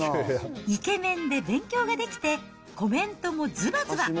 イケメンで勉強ができて、コメントもずばずば。